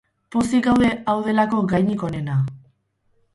Pozik gaude, hau delako gainik onena.